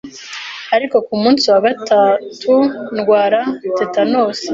ariko ku munsi wa gatatu ndwara tetanosi